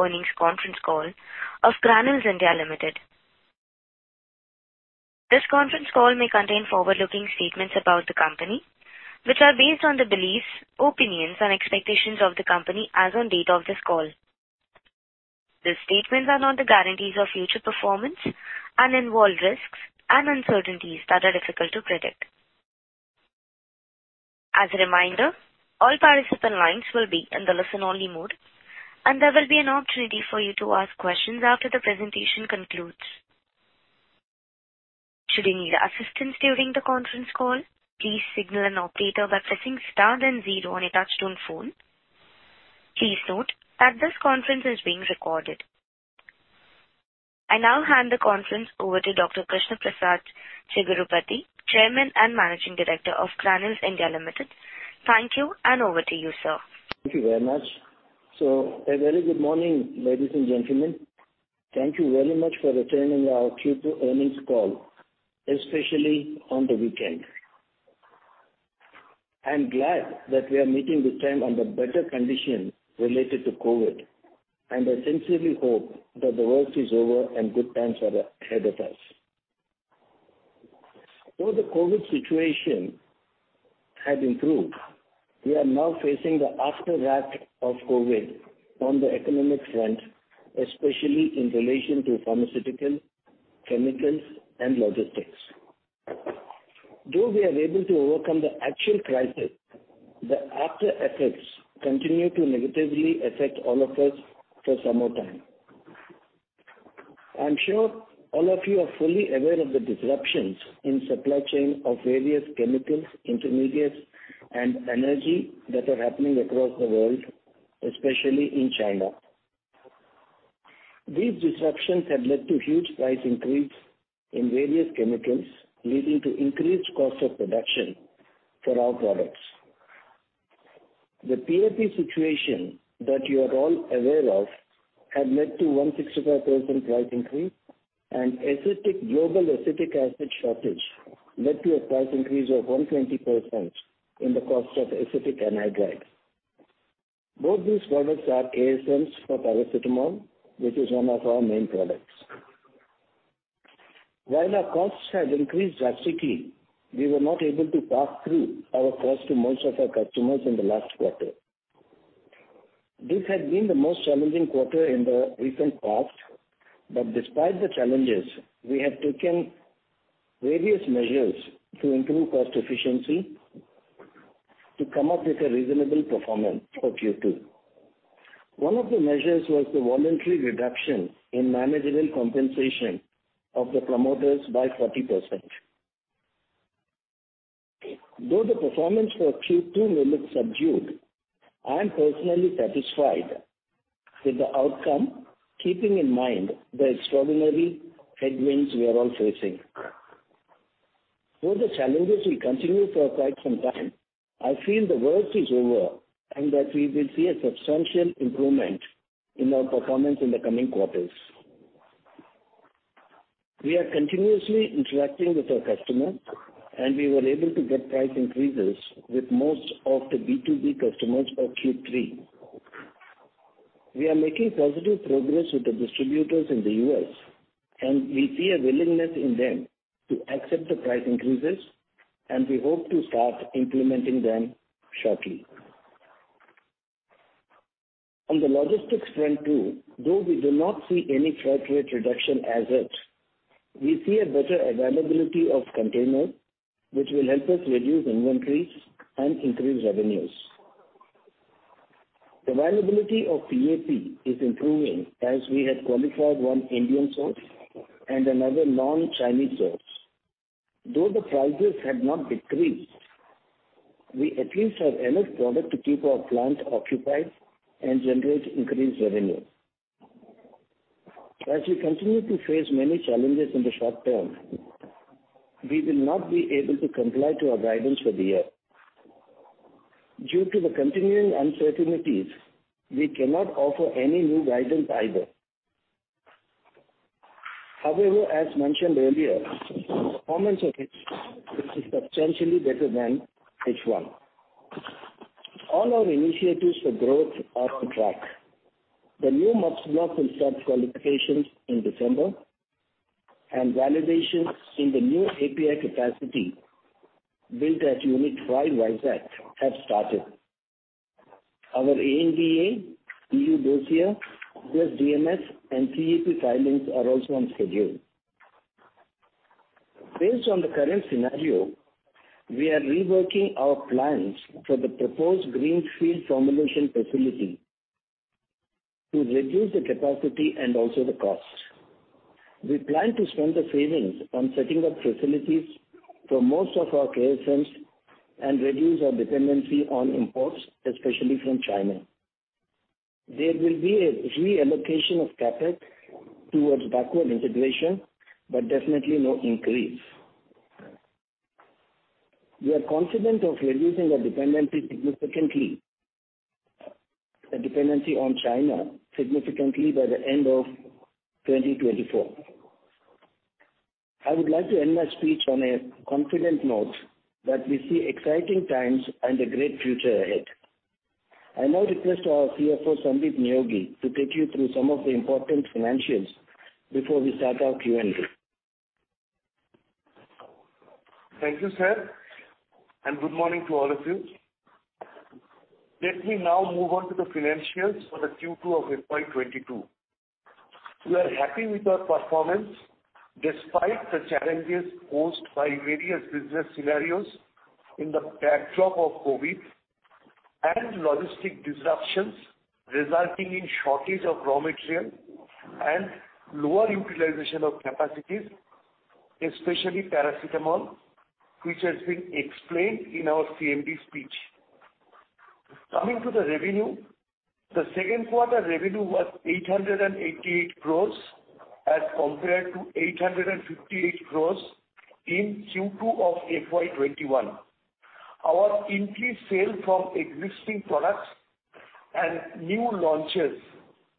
Q2 earnings conference call of Granules India Limited. This conference call may contain forward-looking statements about the company, which are based on the beliefs, opinions and expectations of the company as on date of this call. These statements are not the guarantees of future performance and involve risks and uncertainties that are difficult to predict. As a reminder, all participant lines will be in the listen-only mode, and there will be an opportunity for you to ask questions after the presentation concludes. Should you need assistance during the conference call, please signal an operator by pressing star then zero on a touch-tone phone. Please note that this conference is being recorded. I now hand the conference over to Dr. Krishna Prasad Chigurupati, Chairman and Managing Director of Granules India Limited. Thank you, and over to you, sir. Thank` you very much. A very good morning, ladies and gentlemen. Thank you very much for attending our Q2 earnings call, especially on the weekend. I'm glad that we are meeting this time on the better condition related to COVID, and I sincerely hope that the worst is over and good times are a-ahead of us. Though the COVID situation had improved, we are now facing the aftershock of COVID on the economic front, especially in relation to pharmaceutical, chemicals and logistics. Though we are able to overcome the actual crisis, the aftereffects continue to negatively affect all of us for some more time. I'm sure all of you are fully aware of the disruptions in supply chain of various chemicals, intermediates and energy that are happening across the world, especially in China. These disruptions have led to huge price increase in various chemicals, leading to increased cost of production for our products. The PAP situation that you are all aware of had led to a 165% price increase, and global acetic acid shortage led to a price increase of 120% in the cost of acetic anhydride. Both these products are ASMs for paracetamol, which is one of our main products. While our costs have increased drastically, we were not able to pass through our cost to most of our customers in the last quarter. This has been the most challenging quarter in the recent past, but despite the challenges, we have taken various measures to improve cost efficiency to come up with a reasonable performance for Q2. One of the measures was the voluntary reduction in managerial compensation of the promoters by 40%. Though the performance for Q2 may look subdued, I am personally satisfied with the outcome, keeping in mind the extraordinary headwinds we are all facing. Though the challenges will continue for quite some time, I feel the worst is over and that we will see a substantial improvement in our performance in the coming quarters. We are continuously interacting with our customers, and we were able to get price increases with most of the B2B customers for Q3. We are making positive progress with the distributors in the U.S., and we see a willingness in them to accept the price increases, and we hope to start implementing them shortly. On the logistics front too, though we do not see any freight rate reduction as yet, we see a better availability of containers, which will help us reduce inventories and increase revenues. The availability of PAP is improving as we have qualified one Indian source and another non-Chinese source. Though the prices have not decreased, we at least have enough product to keep our plant occupied and generate increased revenue. As we continue to face many challenges in the short term, we will not be able to comply to our guidance for the year. Due to the continuing uncertainties, we cannot offer any new guidance either. However, as mentioned earlier, performance of H2 is substantially better than H1. All our initiatives for growth are on track. The new methocarbamol will start qualifications in December and validations in the new API capacity built at Unit-5 Vizag have started. Our ANDA, EU dossier, U.S. DMF and CEP filings are also on schedule. Based on the current scenario, we are reworking our plans for the proposed greenfield formulation facility to reduce the capacity and also the cost. We plan to spend the savings on setting up facilities for most of our KSMs and reduce our dependency on imports, especially from China. There will be a reallocation of CapEx towards backward integration, but definitely no increase. We are confident of reducing our dependency on China significantly by the end of 2024. I would like to end my speech on a confident note that we see exciting times and a great future ahead. I now request our CFO, Sandip Neogi, to take you through some of the important financials before we start our Q&A. Thank you, sir, and good morning to all of you. Let me now move on to the financials for the Q2 of FY 2022. We are happy with our performance despite the challenges posed by various business scenarios in the backdrop of COVID and logistic disruptions resulting in shortage of raw material and lower utilization of capacities, especially paracetamol, which has been explained in our CMD speech. Coming to the revenue, the second quarter revenue was 888 crore as compared to 858 crore in Q2 of FY 2021. Our increased sale from existing products and new launches,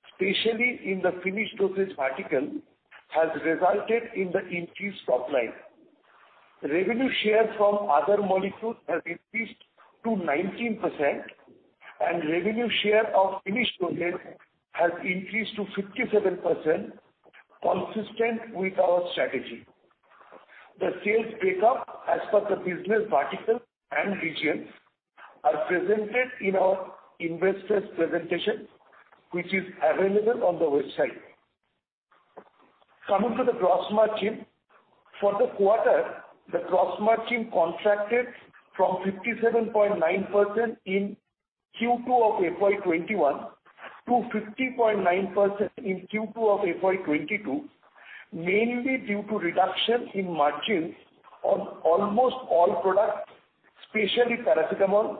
especially in the finished dosage vertical, has resulted in the increased top line. Revenue share from other molecules has increased to 19%, and revenue share of finished dosage has increased to 57%, consistent with our strategy. The sales breakup as per the business vertical and regions are presented in our investor presentation, which is available on the website. Coming to the gross margin. For the quarter, the gross margin contracted from 57.9% in Q2 of FY 2021 to 50.9% in Q2 of FY 2022, mainly due to reduction in margins on almost all products, especially paracetamol,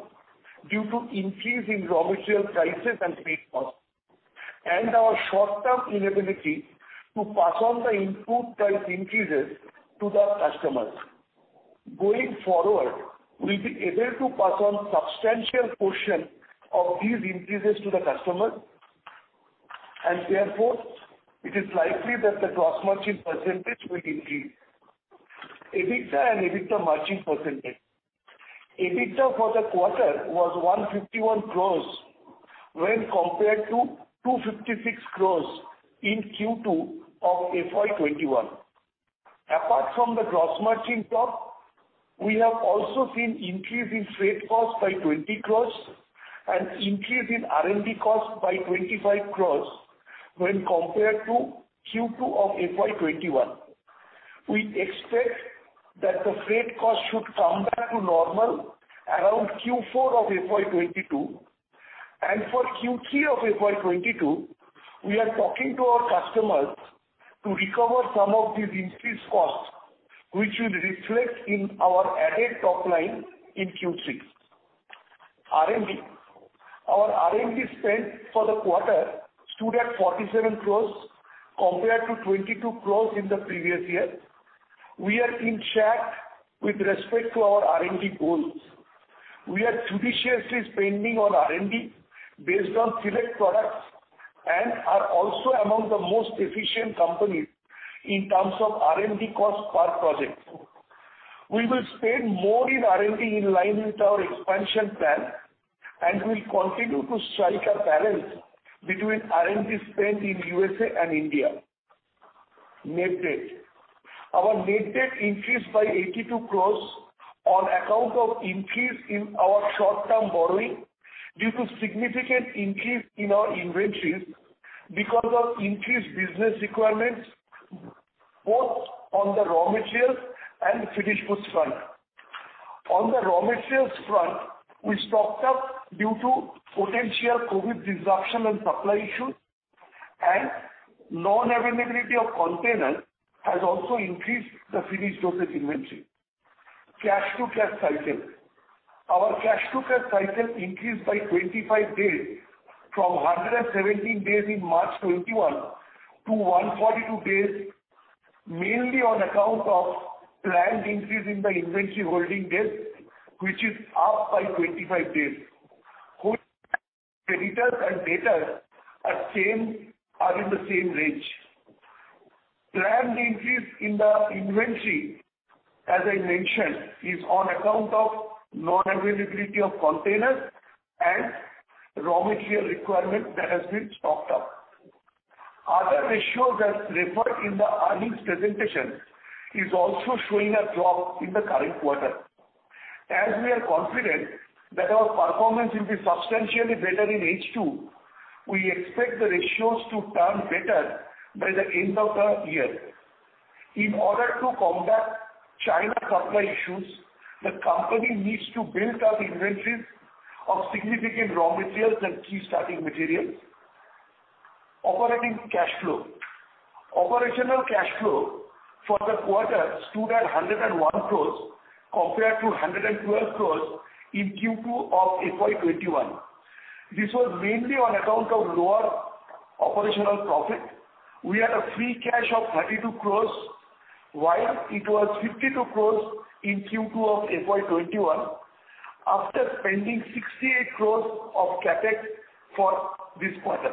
due to increase in raw material prices and freight costs, and our short-term inability to pass on the input price increases to the customers. Going forward, we'll be able to pass on substantial portion of these increases to the customers and therefore it is likely that the gross margin percentage will increase. EBITDA and EBITDA margin percentage. EBITDA for the quarter was 151 crore when compared to 256 crore in Q2 of FY 2021. Apart from the gross margin drop, we have also seen increase in freight costs by 20 crore and increase in R&D costs by 25 crore when compared to Q2 of FY 2021. We expect that the freight cost should come back to normal around Q4 of FY 2022, and for Q3 of FY 2022, we are talking to our customers to recover some of these increased costs, which will reflect in our added top line in Q3. R&D. Our R&D spend for the quarter stood at 47 crore compared to 22 crore in the previous year. We are in check with respect to our R&D goals. We are judiciously spending on R&D based on select products and are also among the most efficient companies in terms of R&D cost per project. We will spend more in R&D in line with our expansion plan and will continue to strike a balance between R&D spend in U.S. and India. Net debt. Our net debt increased by 82 crore on account of increase in our short-term borrowing due to significant increase in our inventories because of increased business requirements both on the raw materials and finished goods front. On the raw materials front, we stocked up due to potential COVID disruption and supply issues, and non-availability of containers has also increased the finished dosage inventory. Cash-to-cash cycle. Our cash-to-cash cycle increased by 25 days from 117 days in March 2021 to 142 days, mainly on account of planned increase in the inventory holding days, which is up by 25 days. Both creditors and debtors are same, are in the same range. Planned increase in the inventory, as I mentioned, is on account of non-availability of containers and raw material requirements that has been stocked up. Other ratios as referred in the earnings presentation is also showing a drop in the current quarter. We are confident that our performance will be substantially better in H2, we expect the ratios to turn better by the end of the year. In order to combat China supply issues, the company needs to build up inventories of significant raw materials and key starting materials. Operating cash flow for the quarter stood at 101 crore compared to 112 crore in Q2 of FY 2021. This was mainly on account of lower operational profit. We had a free cash of 32 crore, while it was 52 crore in Q2 of FY 2021. After spending 68 crore of CapEx for this quarter,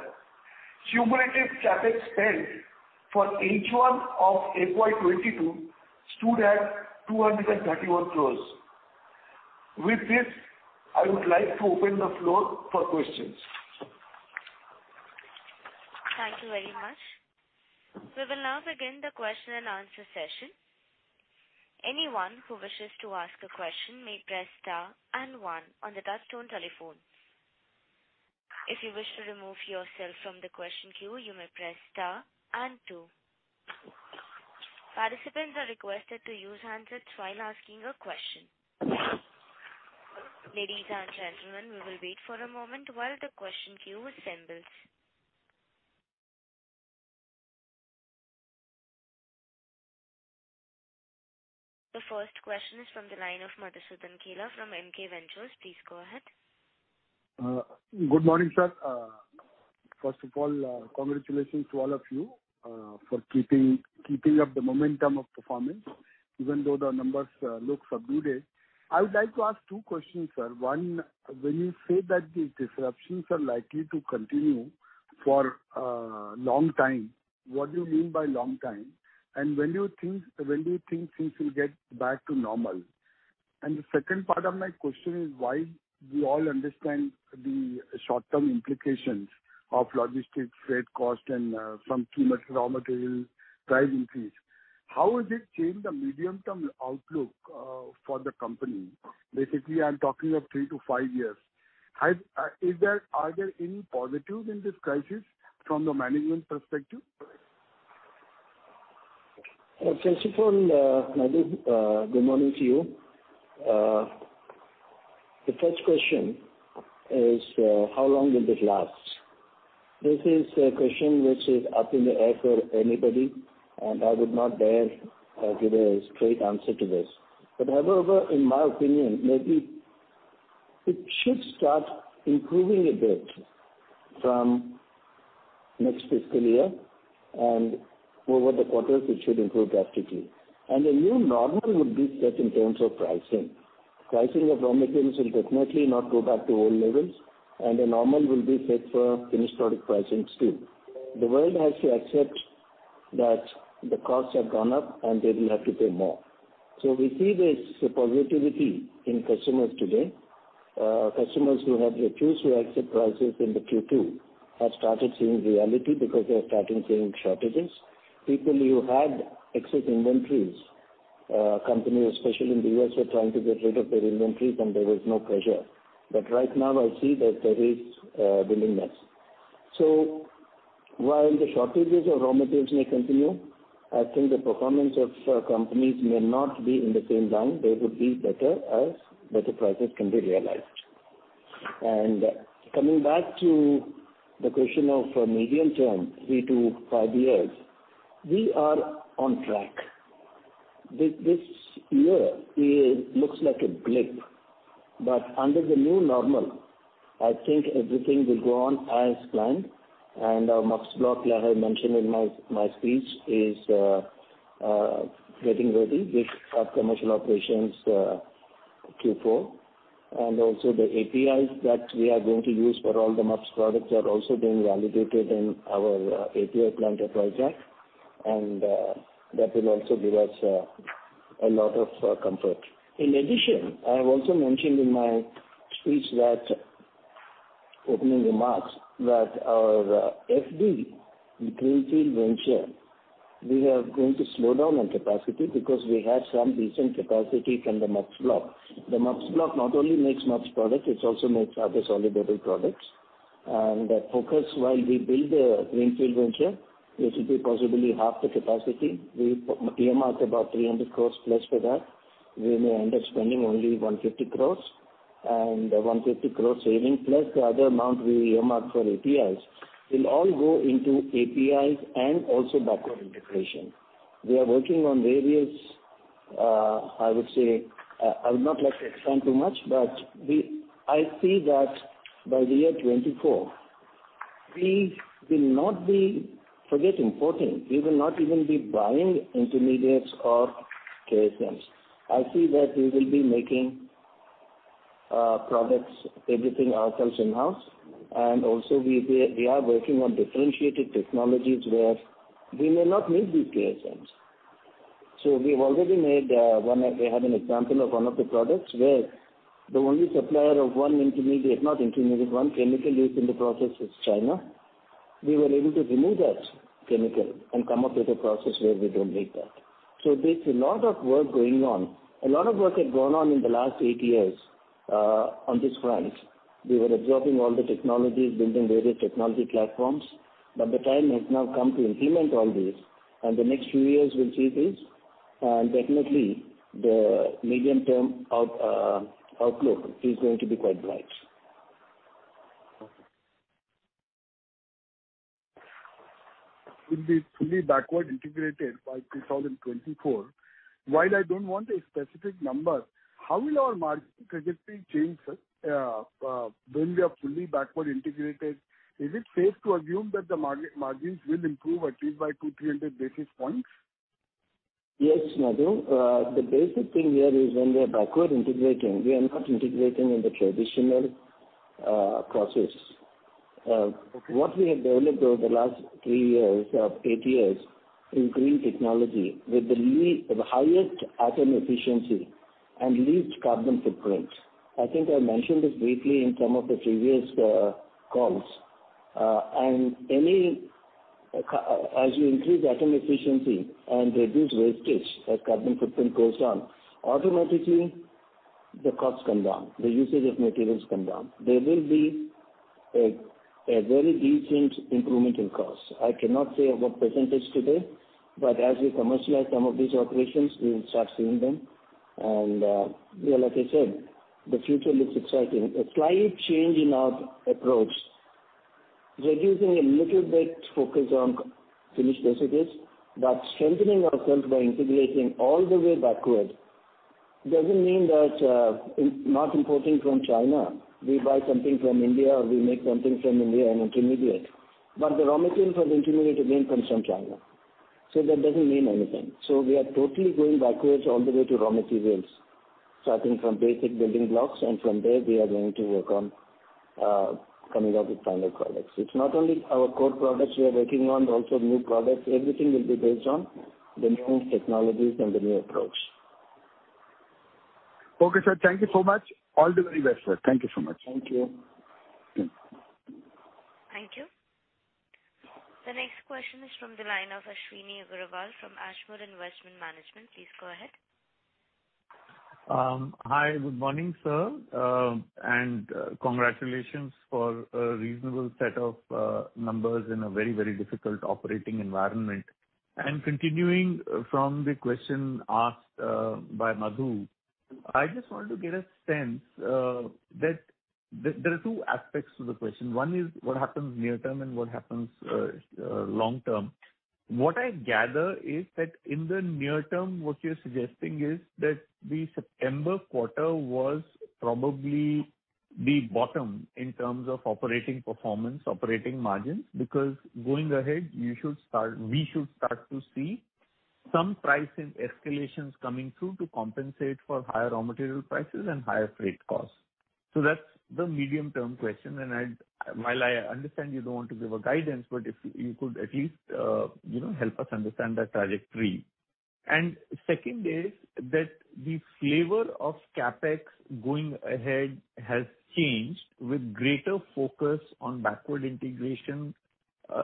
cumulative CapEx spend for H1 of FY 2022 stood at 231 crore. With this, I would like to open the floor for questions. Thank you very much. We will now begin the question-and-answer session. Anyone who wishes to ask a question may press star and one on the touchtone telephone. If you wish to remove yourself from the question queue, you may press star and two. Participants are requested to use handsets while asking a question. Ladies and gentlemen, we will wait for a moment while the question queue assembles. The first question is from the line of Madhusudan Kela from MK Ventures. Please go ahead. Good morning, sir. First of all, congratulations to all of you for keeping up the momentum of performance, even though the numbers look subdued. I would like to ask two questions, sir. One, when you say that these disruptions are likely to continue for a long time, what do you mean by long time? And when do you think things will get back to normal? And the second part of my question is while we all understand the short-term implications of logistics, freight cost and some key raw material price increase, how does it change the medium-term outlook for the company? Basically, I'm talking of three to five years. Are there any positives in this crisis from the management perspective? First of all, Madhu, good morning to you. The first question is, how long will this last? This is a question which is up in the air for anybody, and I would not dare give a straight answer to this. However, in my opinion, maybe it should start improving a bit from next fiscal year and over the quarters it should improve drastically. A new normal would be set in terms of pricing. Pricing of raw materials will definitely not go back to old levels, and a normal will be set for finished product pricing too. The world has to accept that the costs have gone up, and they will have to pay more. We see this positivity in customers today. Customers who have refused to accept prices in the Q2 have started seeing reality because they are starting to see shortages. People who had excess inventories, companies especially in the U.S., were trying to get rid of their inventories and there was no pressure, but right now I see that there is willingness. So while the shortages of raw materials may continue, I think the performance of companies may not be in the same line. They would be better as better prices can be realized. Coming back to the question of medium-term, three to five years, we are on track. This year it looks like a blip, but under the new normal, I think everything will go on as planned. Our MUPS block, like I mentioned in my speech, is getting ready with our commercial operations, Q4. Also the APIs that we are going to use for all the MUPS products are also being validated in our API plant project and that will also give us a lot of comfort. In addition, I have also mentioned in my speech that, opening remarks, that our FD, the greenfield venture, we are going to slow down on capacity because we have some decent capacity from the MUPS block. The MUPS block not only makes MUPS products, it also makes other solid dosage products. The focus while we build a greenfield venture, which will be possibly half the capacity, we earmarked about 300 crore plus for that. We may end up spending only 150 crore and 150 crore saving, plus the other amount we earmarked for APIs will all go into APIs and also backward integration. We are working on various. I would say I would not like to expand too much, but I see that by the year 2024, we will not be, forget importing, we will not even be buying intermediates or KSMs. I see that we will be making products, everything ourselves in-house and also we are working on differentiated technologies where we may not need these KSMs. We've already made one. We have an example of one of the products where the only supplier of one intermediate, not intermediate, one chemical used in the process is China. We were able to remove that chemical and come up with a process where we don't need that. There's a lot of work going on. A lot of work had gone on in the last eight years on this front. We were absorbing all the technologies, building various technology platforms, but the time has now come to implement all this, and the next few years will see this. Definitely the medium-term outlook is going to be quite bright. Would be fully backward integrated by 2024. While I don't want a specific number, how will our margin trajectory change, when we are fully backward integrated? Is it safe to assume that the margins will improve at least by 200-300 basis points? Yes, Madhu. The basic thing here is when we are backward integrating, we are not integrating in the traditional process. What we have developed over the last three years or eight years in green technology with the highest atom efficiency and least carbon footprint. I think I mentioned this briefly in some of the previous calls. As you increase atom efficiency and reduce wastage as carbon footprint goes down, automatically the costs come down, the usage of materials come down. There will be a very decent improvement in costs. I cannot say about percentage today, but as we commercialize some of these operations, we will start seeing them. Yeah, like I said, the future looks exciting. A slight change in our approach, reducing a little bit focus on finished dosages, but strengthening ourselves by integrating all the way backward it doesn't mean that not importing from China. We buy something from India, or we make something from India, an intermediate. The raw material for the intermediate again comes from China, so that doesn't mean anything. We are totally going backwards all the way to raw materials, starting from basic building blocks, and from there, we are going to work on coming out with final products. It's not only our core products we are working on, also new products. Everything will be based on the new technologies and the new approach. Okay, sir. Thank you so much. All the very best, sir. Thank you so much. Thank you. Thank you. Thank you. The next question is from the line of Ashwini Agarwal from Ashmore Investment Management. Please go ahead. Hi, good morning, sir, and congratulations for a reasonable set of numbers in a very difficult operating environment. Continuing from the question asked by Madhu, I just want to get a sense that there are two aspects to the question. One is what happens near term and what happens long term. What I gather is that in the near term, what you're suggesting is that the September quarter was probably the bottom in terms of operating performance, operating margin, because going ahead, we should start to see some price escalations coming through to compensate for higher raw material prices and higher freight costs. That's the medium-term question. While I understand you don't want to give guidance, but if you could at least, you know, help us understand that trajectory. Second is that the flavor of CapEx going ahead has changed with greater focus on backward integration,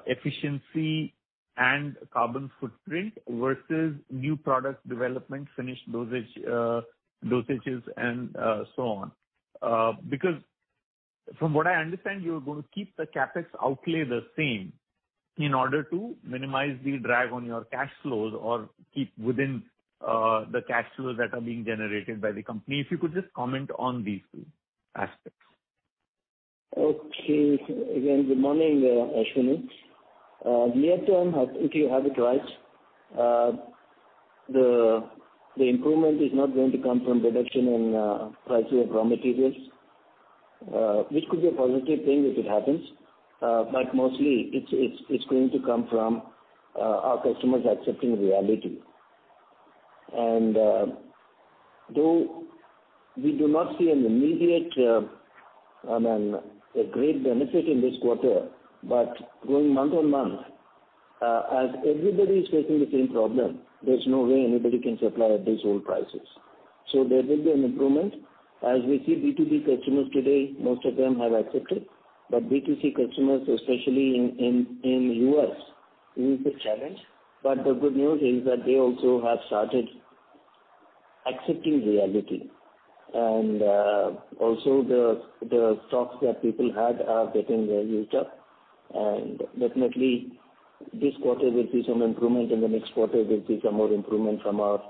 efficiency and carbon footprint versus new product development, finished dosage, dosages and, so on. Because from what I understand, you're gonna keep the CapEx outlay the same in order to minimize the drag on your cash flows or keep within, the cash flows that are being generated by the company. If you could just comment on these two aspects? Okay. Again, good morning, Ashwini. Near term, I think you have it right. The improvement is not going to come from reduction in prices of raw materials, which could be a positive thing if it happens. Mostly it's going to come from our customers accepting reality. Though we do not see an immediate great benefit in this quarter, but going month-on-month, as everybody is facing the same problem, there's no way anybody can supply at these old prices. There will be an improvement. As we see B2B customers today, most of them have accepted. B2C customers, especially in U.S., it is a challenge. The good news is that they also have started accepting reality. Also the stocks that people had are getting used up. Definitely this quarter will see some improvement, and the next quarter will see some more improvement from our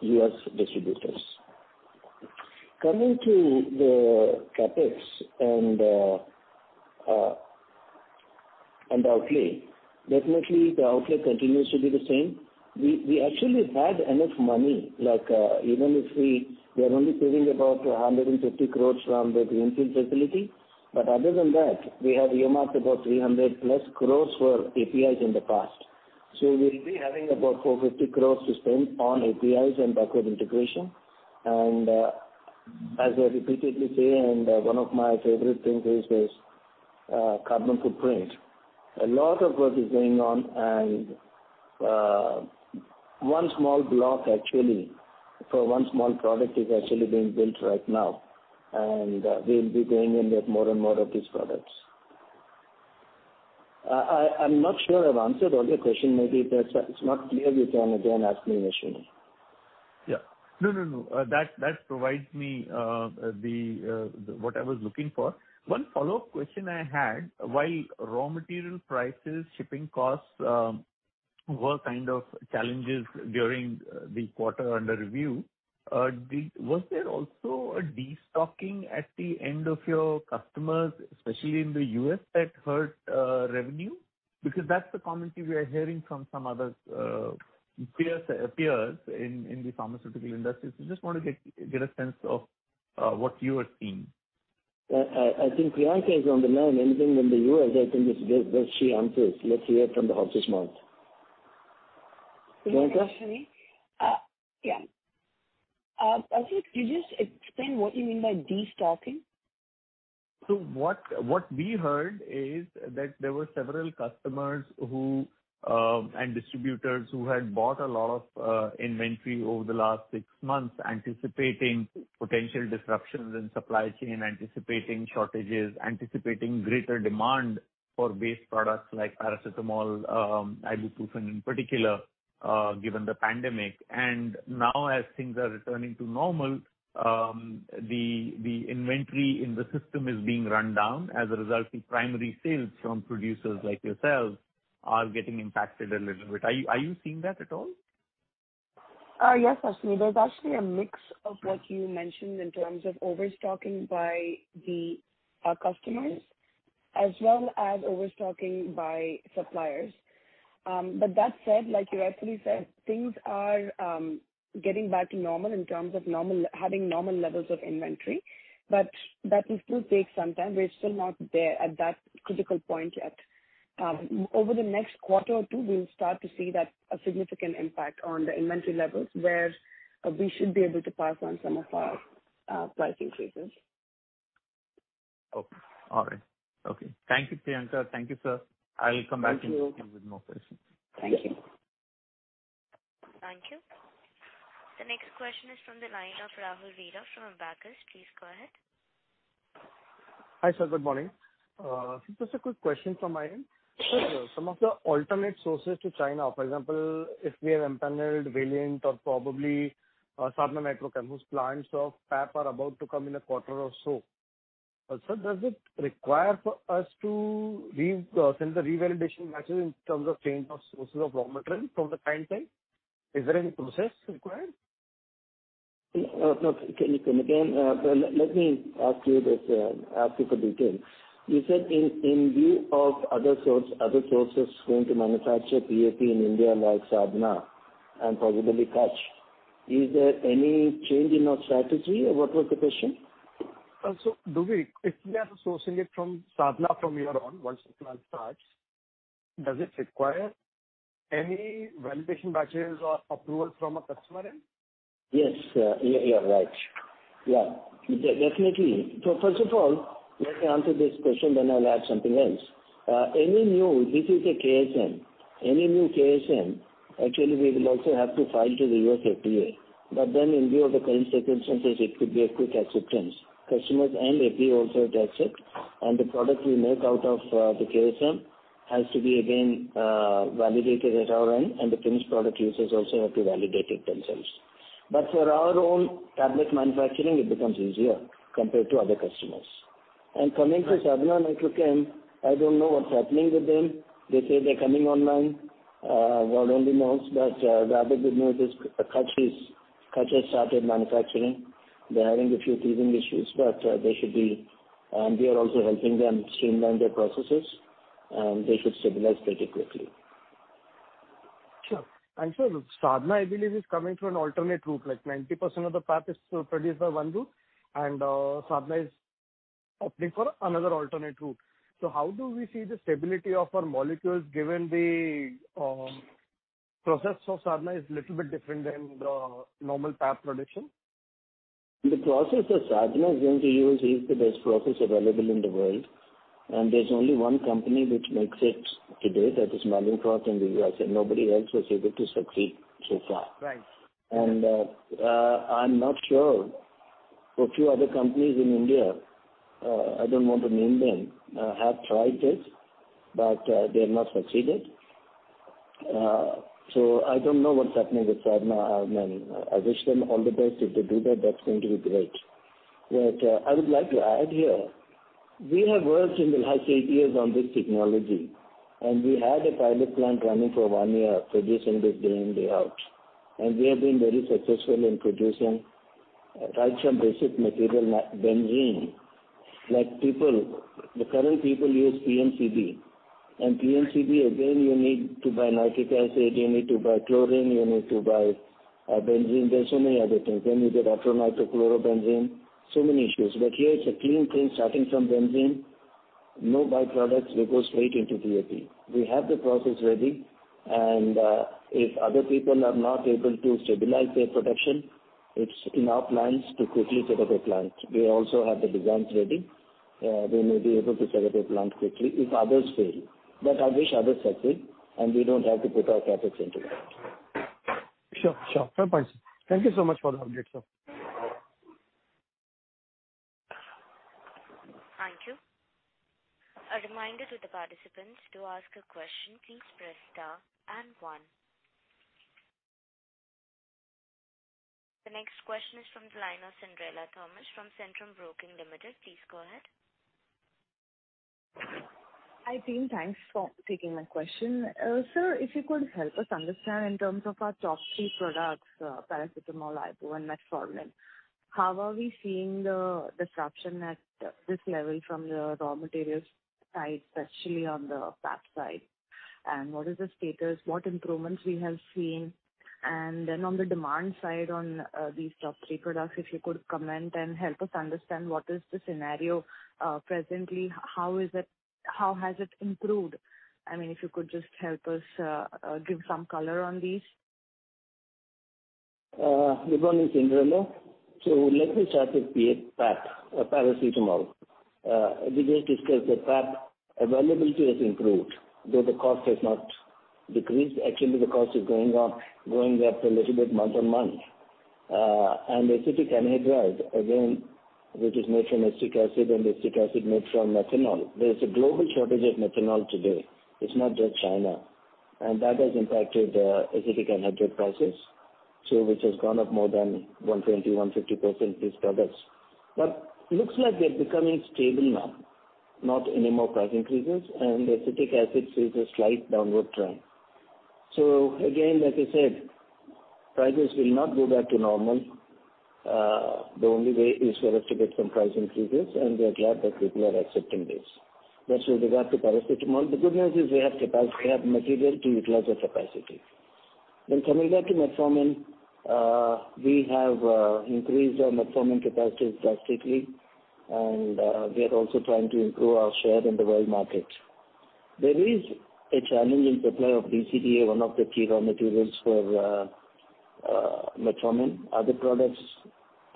U.S. distributors. Coming to the CapEx and outlay, definitely the outlay continues to be the same. We actually had enough money, like, even if we are only taking about 150 crore from the greenfield facility. Other than that, we have earmarked about 300+ crore for APIs in the past. We'll be having about 450 crore to spend on APIs and backward integration. As I repeatedly say, one of my favorite things is carbon footprint. A lot of work is going on, and one small block actually for one small product is actually being built right now. We'll be going in with more and more of these products. I'm not sure I've answered all your question. Maybe if it's not clear, you can again ask me, Ashwini. Yeah. No, no. That provides me what I was looking for. One follow-up question I had, while raw material prices, shipping costs were kind of challenges during the quarter under review. Was there also a destocking at the end of your customers, especially in the U.S., that hurt revenue because that's the commentary we are hearing from some other peers in the pharmaceutical industry. I just want to get a sense of what you are seeing. I think Priyanka is on the line in the U.S. I think it's best she answers. Let's hear it from the horse's mouth. Priyanka? This is Ashwini. Ashwini, could you just explain what you mean by destocking? What we heard is that there were several customers and distributors who had bought a lot of inventory over the last six months, anticipating potential disruptions in supply chain, anticipating shortages, anticipating greater demand for base products like paracetamol, ibuprofen in particular, given the pandemic. Now, as things are returning to normal, the inventory in the system is being run down. As a result, the primary sales from producers like yourselves are getting impacted a little bit. Are you seeing that at all? Yes, Ashwini. There's actually a mix of what you mentioned in terms of overstocking by our customers, as well as overstocking by suppliers. That said, like you rightly said, things are getting back to normal in terms of having normal levels of inventory. That will still take some time. We're still not there at that critical point yet. Over the next quarter or two, we'll start to see a significant impact on the inventory levels, where we should be able to pass on some of our price increases. Okay. All right. Okay. Thank you, Priyanka. Thank you, sir. I'll come back to you with more questions. Thank you. Thank you. The next question is from the line of Rahul Veera from Abakkus. Please go ahead. Hi, sir. Good morning. Just a quick question from my end. Some of the alternate sources to China, for example, if we have empaneled Valiant or probably Sadhana Nitro Chem, whose plants of PAP are about to come in a quarter or so. Sir, does it require for us to resend the revalidation batches in terms of change of sources of raw material from the client side? Is there any process required? No, can you come again? Let me ask you this, ask you for detail. You said in view of other sources going to manufacture PAP in India like Sadhana and possibly Kutch, is there any change in our strategy or what was the question? If we are sourcing it from Sadhana from year one, once the plant starts, does it require any validation batches or approval from a customer end? Yes. You, you're right. Yeah, definitely. First of all, let me answer this question, then I'll add something else. This is a KSM. Any new KSM, actually we will also have to file to the U.S. FDA. In view of the current circumstances, it could be a quick acceptance. Customers and FDA also have to accept. The product we make out of the KSM has to be again validated at our end, and the finished product users also have to validate it themselves. For our own tablet manufacturing, it becomes easier compared to other customers. Coming to Sadhana Nitro Chem, I don't know what's happening with them. They say they're coming online. God only knows. The other good news is Kutch has started manufacturing. They're having a few teething issues, but we are also helping them streamline their processes, and they should stabilize very quickly. Sure. Sir, Sadhana, I believe, is coming through an alternate route. Like, 90% of the PAP is still produced by one route and Sadhana is opening for another alternate route. How do we see the stability of our molecules given the process of Sadhana is little bit different than the normal PAP production? The process that Sadhana is going to use is the best process available in the world. There's only one company which makes it today, that is Mallinckrodt in the U.S., and nobody else was able to succeed so far. Right. I'm not sure. A few other companies in India, I don't want to name them, have tried this, but they have not succeeded. I don't know what's happening with Sadhana. I wish them all the best. If they do that's going to be great. I would like to add here, we have worked in the last eight years on this technology, and we had a pilot plant running for one year, producing this day in, day out. We have been very successful in producing right from the basic material, nitrobenzene. Like, people, the current people use PNCB. PNCB, again, you need to buy nitric acid, you need to buy chlorine, you need to buy benzene. There are so many other things. Then you get o-nitrochlorobenzene. So many issues. Here it's a clean thing starting from benzene, no byproducts. We go straight into PAP. We have the process ready, and if other people are not able to stabilize their production, it's in our plans to quickly set up a plant. We also have the designs ready. We may be able to set up a plant quickly if others fail. I wish others succeed, and we don't have to put our CapEx into that. Sure, sure. Fair point, sir. Thank you so much for the update, sir. Thank you. A reminder to the participants, to ask a question, please press star and one. The next question is from the line of Cinderella Thomas from Centrum Broking Limited. Please go ahead. Hi, team. Thanks for taking my question. Sir, if you could help us understand in terms of our top three products, paracetamol, ibuprofen, and metformin, how are we seeing the disruption at this level from the raw materials side, especially on the PAP side? What is the status, what improvements we have seen? Then on the demand side on these top three products, if you could comment and help us understand what is the scenario presently, how has it improved? I mean, if you could just help us give some color on these. Good morning, Cinderella. Let me start with PAP, paracetamol. We just discussed that PAP availability has improved, though the cost has not decreased. Actually, the cost is going up a little bit month-on-month. Acetic anhydride, again, which is made from acetic acid and acetic acid made from methanol. There is a global shortage of methanol today. It's not just China. That has impacted acetic anhydride prices, so which has gone up more than 120%-150% these products. Looks like they're becoming stable now, not any more price increases, and the acetic acid sees a slight downward trend. Again, as I said, prices will not go back to normal. The only way is for us to get some price increases, and we're glad that people are accepting this. With regard to paracetamol, the good news is we have material to utilize the capacity. Coming back to metformin, we have increased our metformin capacity drastically, and we are also trying to improve our share in the world market. There is a challenge in supply of DCDA, one of the key raw materials for metformin. Other products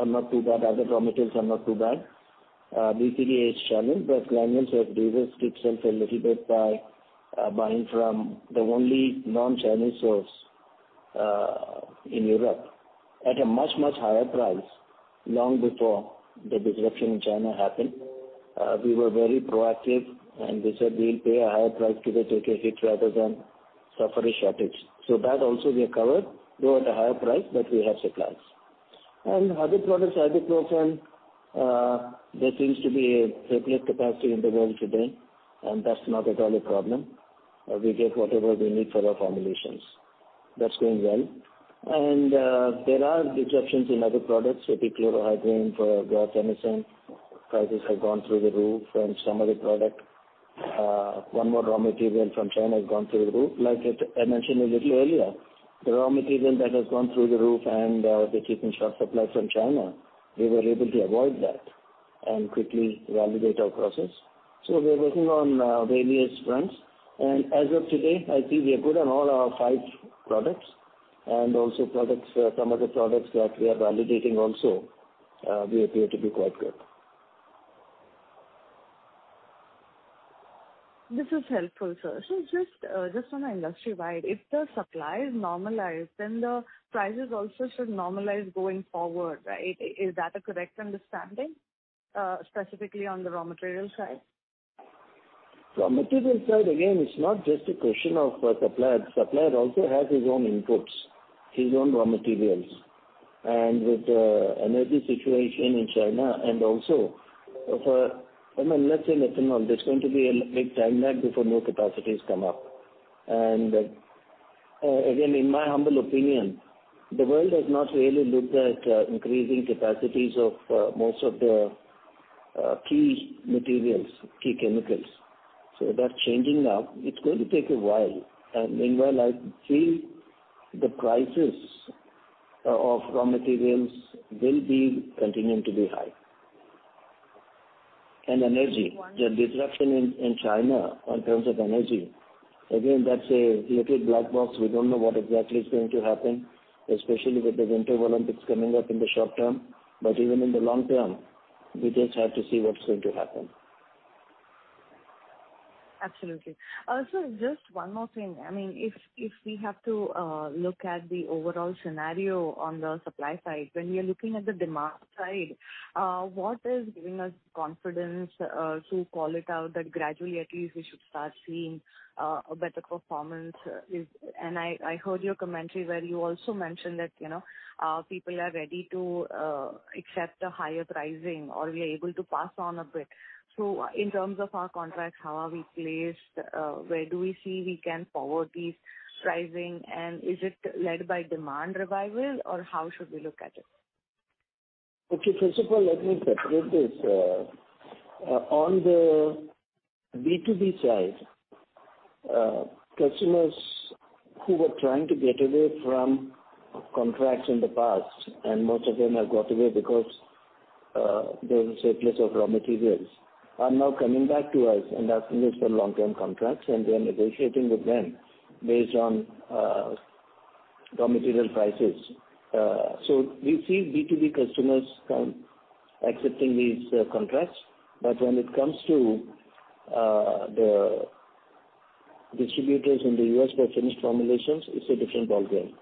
are not too bad, other raw materials are not too bad. DCDA is challenged, but Granules has de-risked itself a little bit by buying from the only non-Chinese source in Europe at a much, much higher price long before the disruption in China happened. We were very proactive, and we said we'll pay a higher price to get DCDA rather than suffer a shortage. That also we are covered, though at a higher price, but we have supplies. Other products, ibuprofen, there seems to be a surplus capacity in the world today, and that's not at all a problem. We get whatever we need for our formulations. That's going well. There are disruptions in other products, ethyl chloride for guaifenesin. Prices have gone through the roof and some other product. One more raw material from China has gone through the roof. Like I mentioned a little earlier, the raw material that has gone through the roof and they keep in short supply from China, we were able to avoid that and quickly validate our process. We're working on various fronts. As of today, I think we are good on all our five products. Also products, some of the products that we are validating also, we appear to be quite good. This is helpful, sir. Just on an industry-wide, if the supply is normalized, then the prices also should normalize going forward, right? Is that a correct understanding, specifically on the raw material side? Raw material side, again, it's not just a question of supplier. Supplier also has his own inputs, his own raw materials. With the energy situation in China and also for methanol, I mean, let's say, there's going to be a big time lag before new capacities come up. Again, in my humble opinion, the world has not really looked at increasing capacities of most of the key materials, key chemicals. That's changing now. It's going to take a while. Meanwhile, I feel the prices of raw materials will be continuing to be high. Energy. The disruption in China in terms of energy, again, that's a little black box. We don't know what exactly is going to happen, especially with the Winter Olympics coming up in the short term. Even in the long term, we just have to see what's going to happen. Absolutely. Sir, just one more thing. I mean, if we have to look at the overall scenario on the supply side, when we are looking at the demand side, what is giving us confidence to call it out that gradually at least we should start seeing a better performance? I heard your commentary where you also mentioned that, you know, people are ready to accept a higher pricing or we are able to pass on a bit. In terms of our contracts, how are we placed? Where do we see we can forward these pricing? Is it led by demand revival or how should we look at it? Okay. First of all, let me separate this. On the B2B side, customers who were trying to get away from contracts in the past, and most of them have got away because there was a surplus of raw materials, are now coming back to us and asking us for long-term contracts, and we are negotiating with them based on raw material prices. So we see B2B customers come accepting these contracts, but when it comes to the distributors in the U.S. for finished formulations, it's a different ballgame.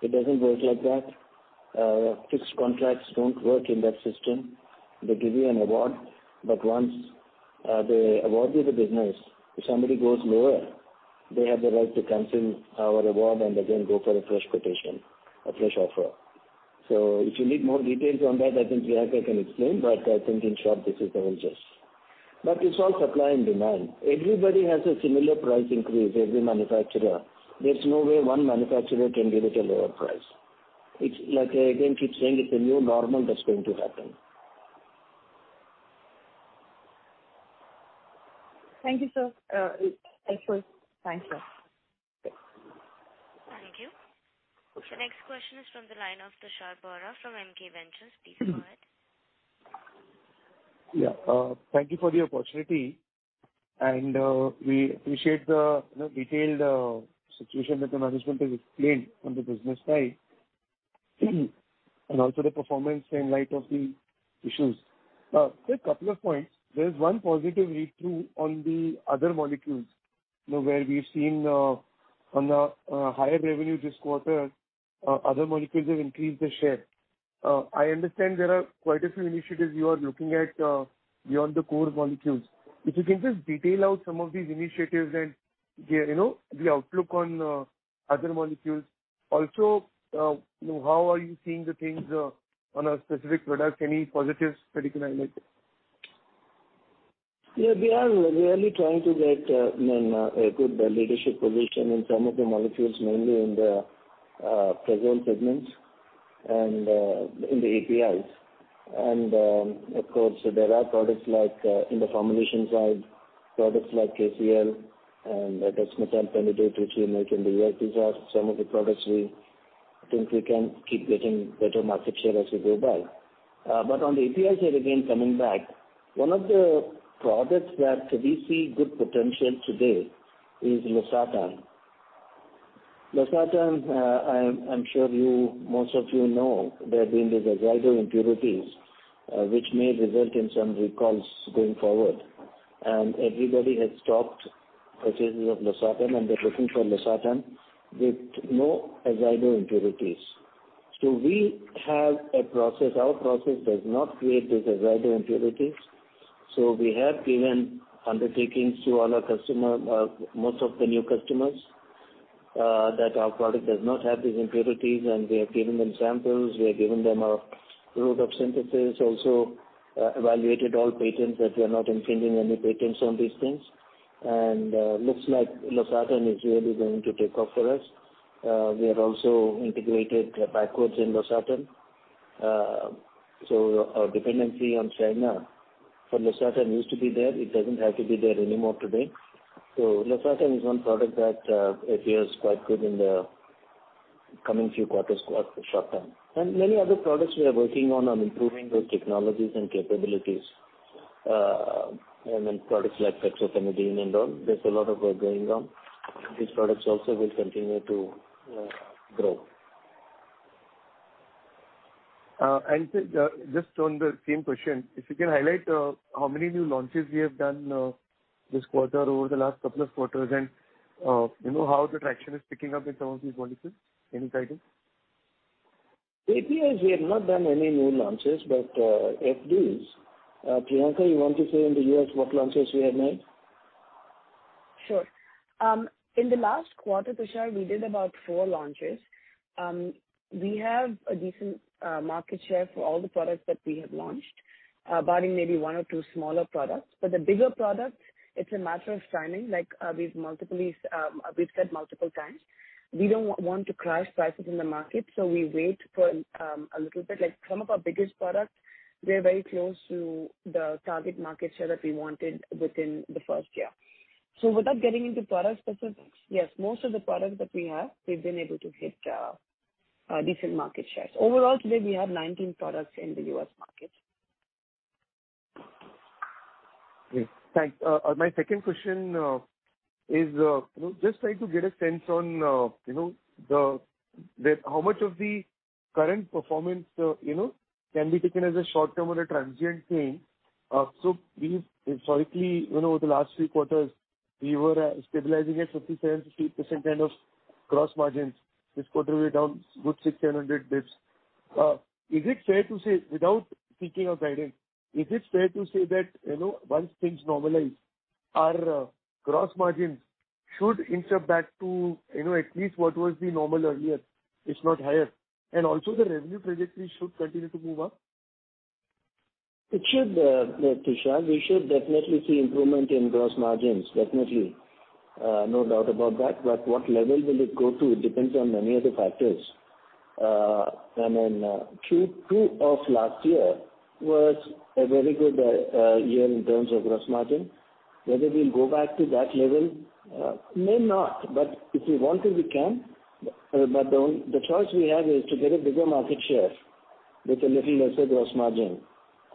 It doesn't work like that. Fixed contracts don't work in that system. They give you an award, but once they award you the business, if somebody goes lower, they have the right to cancel our award and again go for a fresh quotation, a fresh offer. If you need more details on that, I think Priyanka can explain, but I think in short, this is the whole gist. It's all supply and demand. Everybody has a similar price increase, every manufacturer. There's no way one manufacturer can give it a lower price. It's like I again keep saying it's a new normal that's going to happen. Thank you, sir. Actually, thank you. Thank you. The next question is from the line of Tushar Bohra from MK Ventures. Please go ahead. Yeah. Thank you for the opportunity, and we appreciate the, you know, detailed situation that the management has explained on the business side and also the performance in light of the issues. Just couple of points. There is one positive read-through on the other molecules, you know, where we've seen on the higher revenue this quarter, other molecules have increased the share. I understand there are quite a few initiatives you are looking at beyond the core molecules. If you can just detail out some of these initiatives and the, you know, the outlook on other molecules. Also, you know, how are you seeing the things on a specific product, any positives that you can highlight? Yeah. We are really trying to get, you know, a good leadership position in some of the molecules, mainly in the prasugrel segments and in the APIs. Of course, there are products like in the formulation side, products like KCL and dexamethasone, prednisone which we make in the U.S. These are some of the products we think we can keep getting better market share as we go by. On the API side, again, coming back, one of the products where we see good potential today is losartan. Losartan, I'm sure most of you know there have been these azido impurities, which may result in some recalls going forward. Everybody has stopped purchases of losartan, and they're looking for losartan with no azido impurities. We have a process. Our process does not create these azido impurities, so we have given undertakings to all our customer, most of the new customers, that our product does not have these impurities, and we have given them samples. We have given them our route of synthesis, also, evaluated all patents that we are not infringing any patents on these things. Looks like losartan is really going to take off for us. We have also integrated backwards in losartan. Our dependency on China for losartan used to be there. It doesn't have to be there anymore today. Losartan is one product that appears quite good in the coming few quarters, short term. Many other products we are working on improving those technologies and capabilities. I mean, products like cetirizine and all, there's a lot of work going on. These products also will continue to grow. Just on the same question, if you can highlight how many new launches you have done this quarter over the last couple of quarters and you know how the traction is picking up in some of these molecules. Any guidance? APIs we have not done any new launches, but FDs. Priyanka, you want to say in the U.S. what launches we have made? Sure. In the last quarter, Tushar, we did about four launches. We have a decent market share for all the products that we have launched, barring maybe one or two smaller products. The bigger products, it's a matter of timing. Like, we've said multiple times, we don't want to crash prices in the market, so we wait for a little bit. Like, some of our biggest products, we are very close to the target market share that we wanted within the first year. Without getting into product specifics, yes, most of the products that we have, we've been able to hit decent market shares. Overall today we have 19 products in the U.S. market. Yes. Thanks. My second question is you know, just try to get a sense on you know, how much of the current performance you know, can be taken as a short-term or a transient change. We've historically you know, over the last three quarters, we were stabilizing at 57%-60% kind of gross margins. This quarter we are down a good 600-700 basis points. Is it fair to say, without thinking of guidance, is it fair to say that you know, once things normalize, our gross margins should inch up back to you know, at least what was the normal earlier, if not higher, and also the revenue trajectory should continue to move up? It should, Tushar. We should definitely see improvement in gross margins. Definitely. No doubt about that. But what level will it go to? It depends on many other factors. And then, Q2 of last year was a very good year in terms of gross margin. Whether we'll go back to that level, may not, but if we want to, we can. But the choice we have is to get a bigger market share with a little lesser gross margin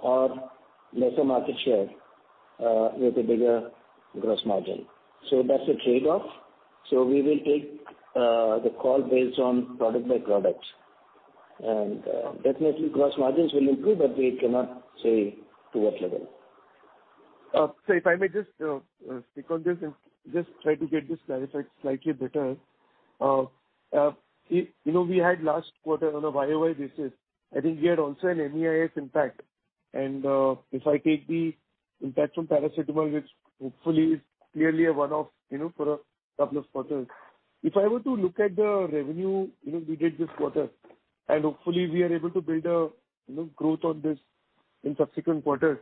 or lesser market share with a bigger gross margin. So that's a trade-off. So we will take the call based on product by product. Definitely gross margins will improve, but we cannot say to what level. If I may just stick on this and just try to get this clarified slightly better. See, you know, we had last quarter on a YoY basis, I think we had also an MEIS impact and if I take the impact from paracetamol, which hopefully is clearly a one-off, you know, for a couple of quarters. If I were to look at the revenue, you know, we did this quarter, and hopefully we are able to build a you know growth on this in subsequent quarters.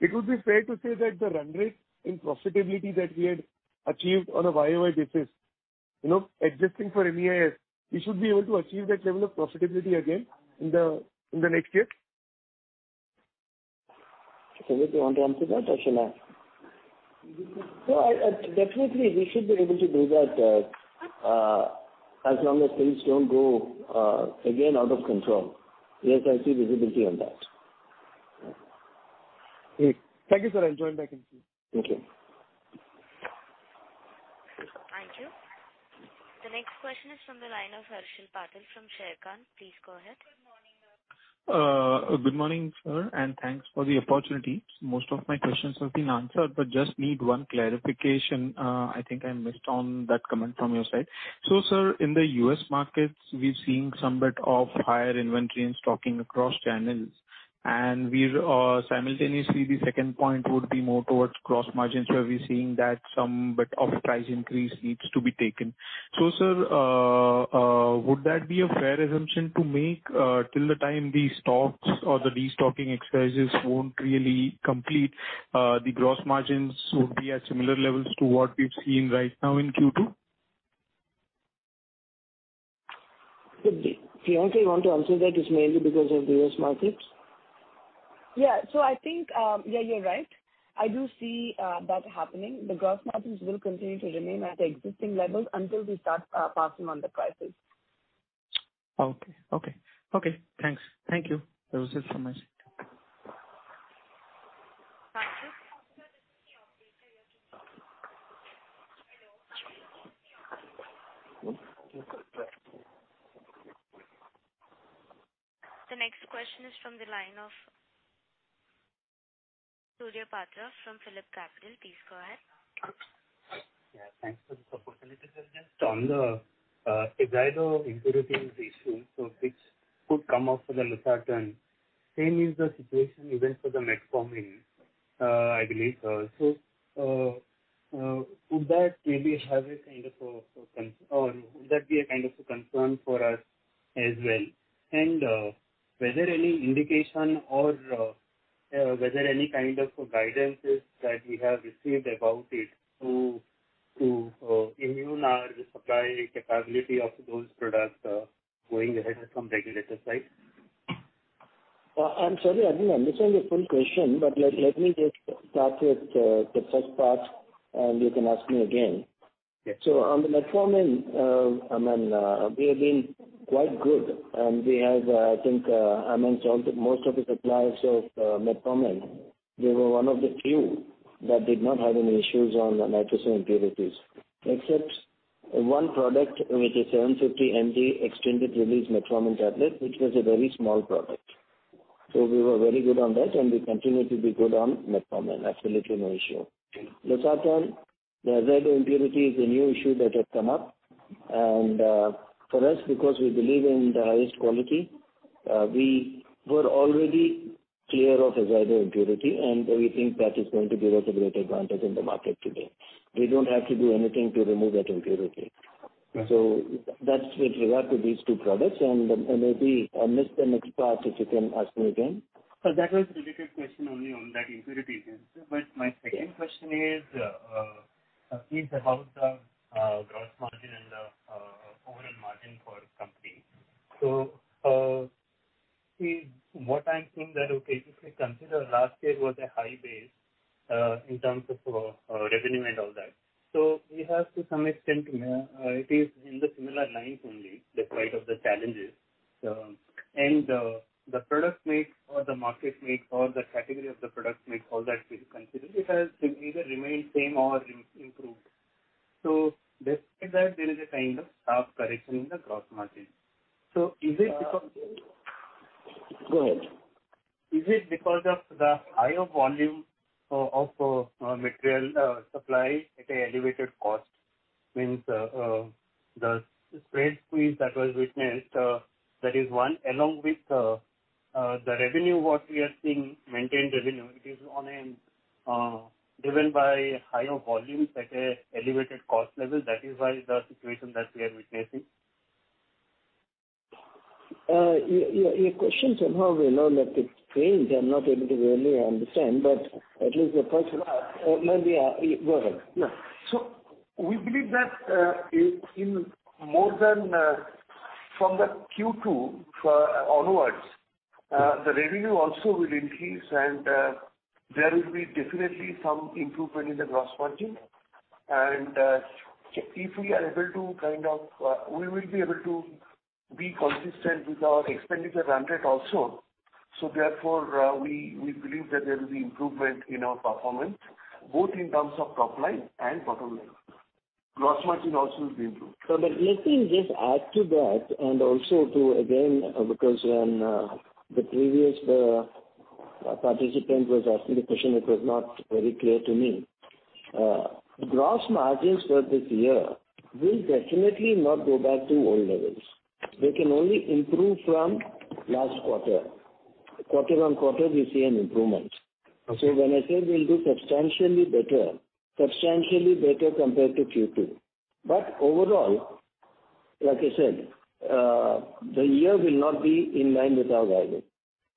It would be fair to say that the run rate in profitability that we had achieved on a YoY basis. You know, adjusting for MEIS, we should be able to achieve that level of profitability again in the next year. Sandip, do you want to answer that or should I? You can. No, I definitely, we should be able to do that, as long as things don't go again out of control. Yes, I see visibility on that. Yeah. Great. Thank you, sir. I'll join back in. Thank you. Thank you. The next question is from the line of Harshil Patel from Sharekhan. Please go ahead. Good morning, sir, and thanks for the opportunity. Most of my questions have been answered, but just need one clarification. I think I missed on that comment from your side. Sir, in the U.S. markets, we're seeing some bit of higher inventory and stocking across channels. We're simultaneously the second point would be more towards gross margins where we're seeing that some bit of price increase needs to be taken. Sir, would that be a fair assumption to make till the time these stocks or the restocking exercises won't really complete, the gross margins would be at similar levels to what we've seen right now in Q2? Thank you. Priyanka, do you want to answer that? It's mainly because of the U.S. markets. Yeah. I think, yeah, you're right. I do see that happening. The gross margins will continue to remain at existing levels until we start passing on the prices. Okay, thanks. Thank you. That was it for my side. Thank you. The next question is from the line of Surya Patra from PhillipCapital. Please go ahead. Yeah, thanks for the opportunity, sir. Just on the azido impurities issue, which could come up for the losartan. Same is the situation even for the metformin, I believe. Would that maybe have a kind of a concern for us as well? Was there any indication or was there any kind of guidances that we have received about it to ensure our supply capability of those products going ahead from regulatory side? I'm sorry, I didn't understand the full question, but let me just start with the first part and you can ask me again. Yes, sure. On the metformin, I mean, we have been quite good. We have, I think, amongst all the most of the suppliers of metformin, we were one of the few that did not have any issues on the nitrosamine impurities. Except one product, which is 750 mg extended-release metformin tablet, which was a very small product. We were very good on that and we continue to be good on metformin. Absolutely no issue. Losartan, the azido impurity is a new issue that has come up. For us, because we believe in the highest quality, we were already clear of azido impurity, and we think that is going to give us a great advantage in the market today. We don't have to do anything to remove that impurity. Right. That's with regard to these two products. Maybe I missed the next part, if you can ask me again. That was related question only on that impurity issue. My second question is how the gross margin and the overall margin for the company. What I'm seeing that, okay, if we consider last year was a high base in terms of revenue and all that. To some extent it is in the similar lines only, despite of the challenges. The product mix or the market mix or the category of the product mix, all that we consider, it has either remained same or improved. Despite that there is a kind of tough correction in the gross margin. Is it because- Go ahead. Is it because of the higher volume of material supply at an elevated cost? Meaning, the spread squeeze that was witnessed, that is one. Along with the revenue, what we are seeing, maintained revenue, it is driven by higher volumes at an elevated cost level. That is why the situation that we are witnessing. Your question somehow we know that it's changed. I'm not able to really understand, but at least the first part. Maybe, go ahead. We believe that from Q2 onwards the revenue also will increase and there will be definitely some improvement in the gross margin. If we are able to, we will be able to be consistent with our expenditure run rate also. We believe that there will be improvement in our performance, both in terms of top line and bottom line. Gross margin also will be improved. Let me just add to that, because when the previous participant was asking the question, it was not very clear to me. Gross margins for this year will definitely not go back to old levels. They can only improve from last quarter. Quarter-on-quarter, we see an improvement. Okay. When I said we'll do substantially better compared to Q2. Overall, like I said, the year will not be in line with our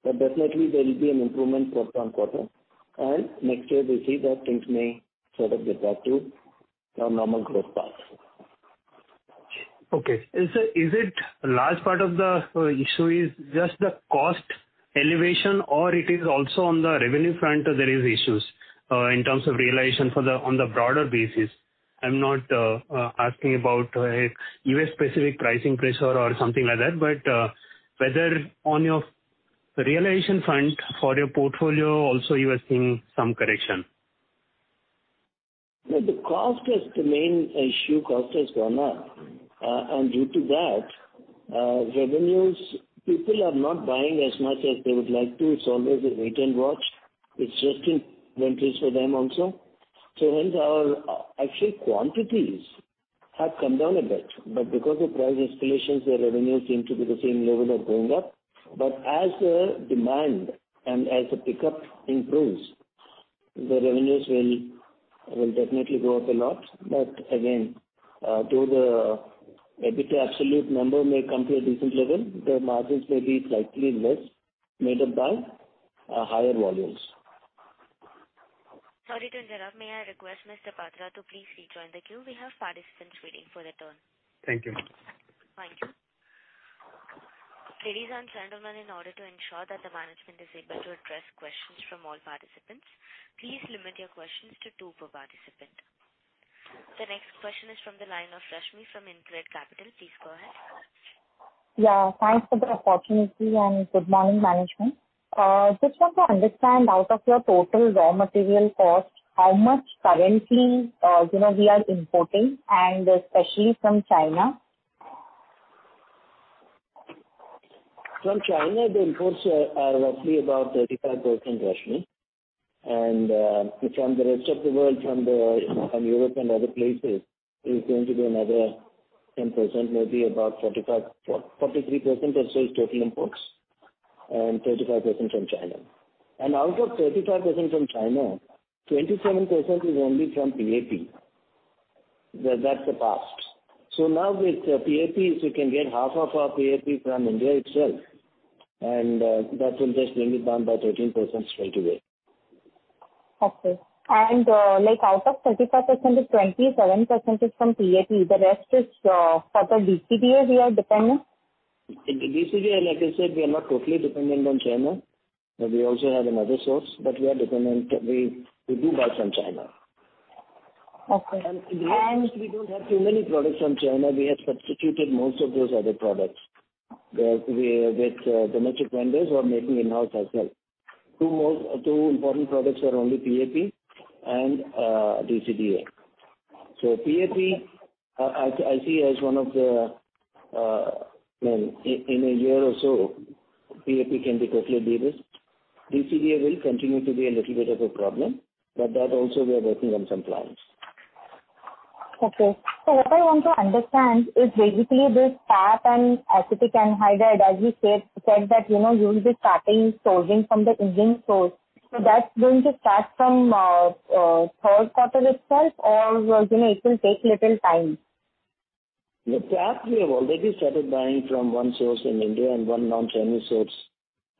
values. Definitely there will be an improvement quarter-on-quarter. Next year we see that things may sort of get back to our normal growth path. Okay. Is it large part of the issue just the cost elevation or it is also on the revenue front there is issues in terms of realization on the broader basis? I'm not asking about a U.S. specific pricing pressure or something like that, but whether on your realization front for your portfolio also you are seeing some correction. No, the cost is the main issue. Cost has gone up. Due to that, revenues, people are not buying as much as they would like to. It's always a wait and watch. It's just in inventories for them also. Hence our actual quantities have come down a bit, but because of price inflation, the revenues seem to be the same level or going up. As the demand and as the pickup improves, the revenues will definitely go up a lot. Though the EBITDA absolute number may come to a decent level, the margins may be slightly less, made up by higher volumes. Sorry to interrupt. May I request Mr. Patra to please rejoin the queue. We have participants waiting for their turn. Thank you. Thank you. Ladies and gentlemen, in order to ensure that the management is able to address questions from all participants, please limit your questions to two per participant. The next question is from the line of Rashmi from InCred Capital. Please go ahead. Yeah, thanks for the opportunity and good morning management. Just want to understand out of your total raw material cost, how much currently, you know, we are importing and especially from China. From China, the imports are roughly about 35%, Rashmi. From the rest of the world, from Europe and other places, it's going to be another 10%, maybe about 45%, 43% or so is total imports, and 35% from China. Out of 35% from China, 27% is only from PAP. That's the past. Now with PAPs, we can get half of our PAP from India itself, and that will just bring it down by 13% straight away. Okay. Like, out of 35%-27% is from PAP. The rest is for the DCDA we are dependent? DCDA, like I said, we are not totally dependent on China. We also have another source, but we are dependent. We do buy from China. Okay. We don't have too many products from China. We have substituted most of those other products. We with domestic vendors who are making in-house as well. Two important products are only PAP and DCDA. PAP, I see as one of the in a year or so, PAP can be totally de-risked. DCDA will continue to be a little bit of a problem, but that also we are working on some plans. Okay. What I want to understand is basically this PAP and acetic anhydride, as you said that, you know, you will be starting sourcing from the Indian source. That's going to start from third quarter itself or, you know, it will take little time? The PAP we have already started buying from one source in India and one non-Chinese source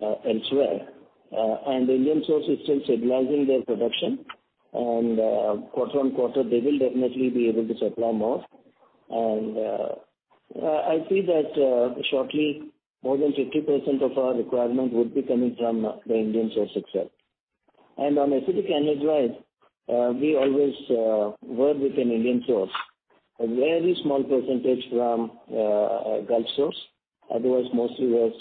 elsewhere. The Indian source is still stabilizing their production. Quarter-on-quarter, they will definitely be able to supply more. I see that shortly more than 50% of our requirement would be coming from the Indian source itself. On acetic anhydride, we always work with an Indian source. A very small percentage from a Gulf source. Otherwise mostly was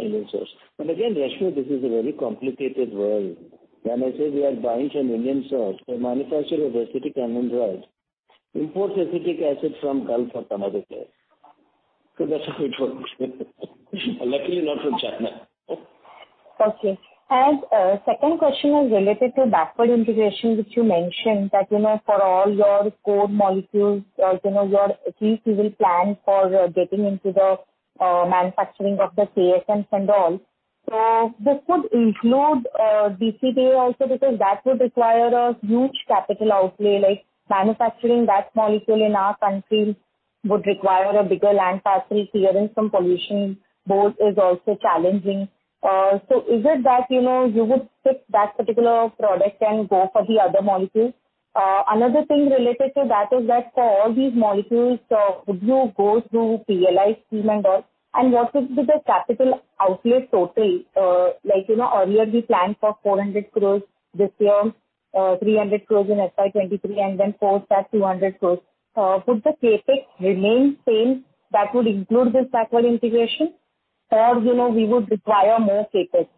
Indian source. Again, Rashmi, this is a very complicated world. When I say we are buying from Indian source, the manufacturer of acetic anhydride imports acetic acid from Gulf or some other place. That's how it works. Luckily not from China. Second question was related to backward integration, which you mentioned that, you know, for all your core molecules, you know, or at least you will plan for getting into the manufacturing of the KSMs and all. This would include DCDA also because that would require a huge capital outlay, like manufacturing that molecule in our country would require a bigger land parcel, clearance from pollution board is also challenging. So is it that, you know, you would pick that particular product and go for the other molecules? Another thing related to that is that for all these molecules, would you go through PLI scheme and all? What would be the capital outlay total? Like, you know, earlier we planned for 400 crore this year, 300 crore in FY 2023 and then for that at 200 crore. Would the CapEx remain same that would include this backward integration? Or, you know, we would require more CapEx.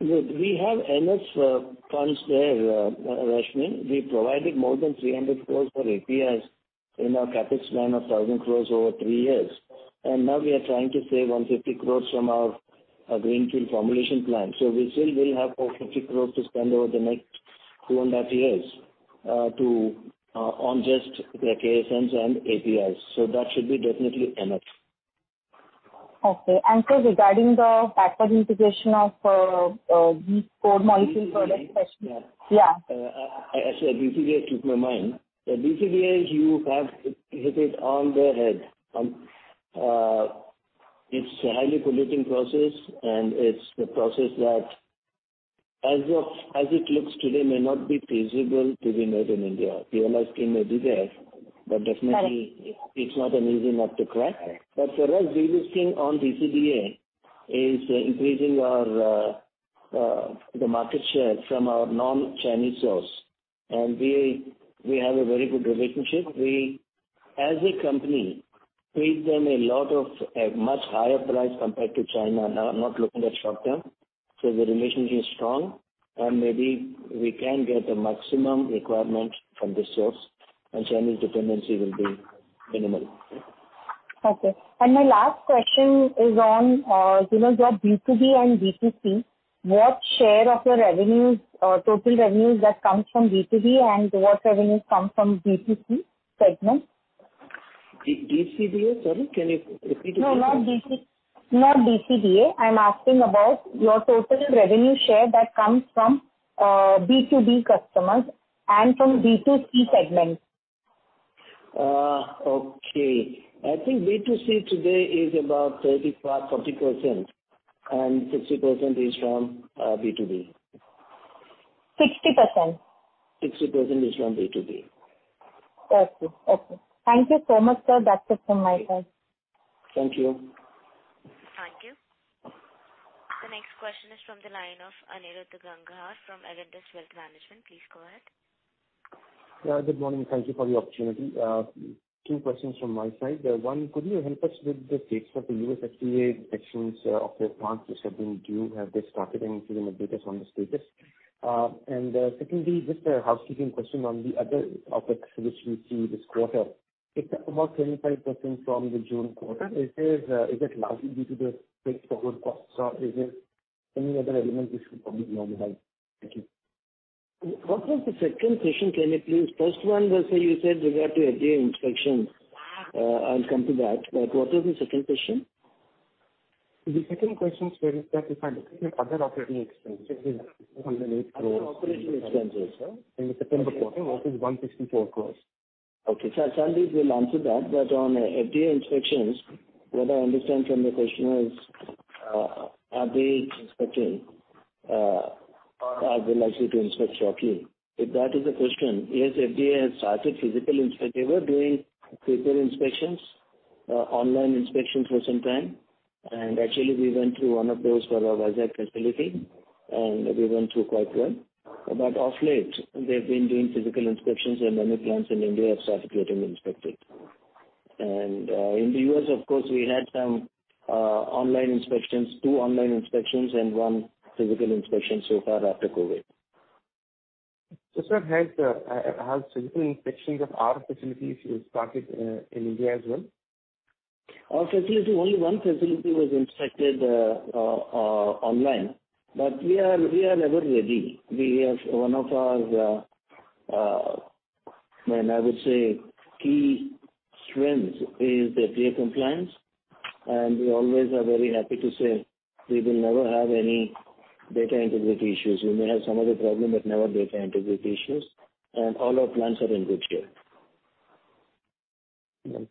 We have enough funds there, Rashmi. We provided more than 300 crore for APIs in our CapEx plan of 1,000 crore over three years. Now we are trying to save 150 crore from our greenfield formulation plan. We still will have 450 crore to spend over the next two and a half years to on just the KSMs and APIs. That should be definitely enough. Okay. Sir, regarding the backward integration of these four molecule products- BCBA? Yeah. Actually BCBA slipped my mind. The BCBA you have hit it on the head. It's a highly polluting process, and it's a process that as it looks today, may not be feasible to be made in India. PLI scheme may be there. Got it. Definitely it's not an easy nut to crack. For us, we've been seeing on BCBA is increasing our market share from our non-Chinese source. We have a very good relationship. We, as a company, pay them a much higher price compared to China, not looking at short term. The relationship is strong, and maybe we can get the maximum requirement from this source, and Chinese dependency will be minimal. Okay. My last question is on, you know, your B2B and B2C. What share of your revenues, total revenues that comes from B2B and what revenues come from B2C segment? B2B, sorry? Can you repeat it please? No. I'm asking about your total revenue share that comes from B2B customers and from B2C segment. Okay. I think B2C today is about 35%-40%, and 60% is from B2B. 60%? 60% is from B2B. Got you. Okay. Thank you so much, sir. That's it from my side. Thank you. Thank you. The next question is from the line of Anirudh Gangahar from Avendus Wealth Management. Please go ahead. Good morning. Thank you for the opportunity. Two questions from my side. One, could you help us with the status of the U.S. FDA inspections of your plants which have been due? Have they started? Could you update us on the status? Secondly, just a housekeeping question on the other opex which we see this quarter. It's up about 25% from the June quarter. Is this largely due to the fixed forex costs or is it any other element which should probably normalize? Thank you. What was the second question? Can you please? First one was, you said regarding FDA inspections. I'll come to that, but what was the second question? The second question was that if I look at your other operating expenses, it is INR 208 crore. Other operating expenses, yeah. In the second quarter versus INR 164 crore. Okay. Sandip will answer that. On FDA inspections, what I understand from the question is, are they inspecting, or are they likely to inspect shortly? If that is the question, yes, FDA has started physical inspections. They were doing virtual inspections, online inspections for some time. Actually we went through one of those for our Vizag facility, and we went through quite well. Of late they've been doing physical inspections, and many plants in India have started getting inspected. In the U.S. of course, we had some online inspections, two online inspections and one physical inspection so far after COVID. Sir, has physical inspections of our facilities started in India as well? Only one facility was inspected online. We are ever ready. One of our key strengths is the FDA compliance. We always are very happy to say we will never have any data integrity issues. We may have some other problem, but never data integrity issues. All our plants are in good shape. Okay.